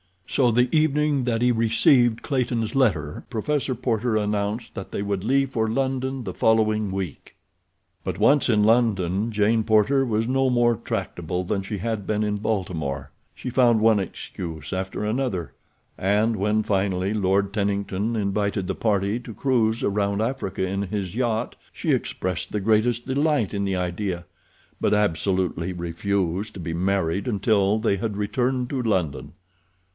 So the evening that he received Clayton's letter Professor Porter announced that they would leave for London the following week. But once in London Jane Porter was no more tractable than she had been in Baltimore. She found one excuse after another, and when, finally, Lord Tennington invited the party to cruise around Africa in his yacht, she expressed the greatest delight in the idea, but absolutely refused to be married until they had returned to London.